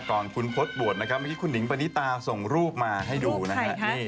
ก่อนคุณพจบวชนะครับมีคุณหญิงปณิตาส่งรูปมาให้ดูนะครับ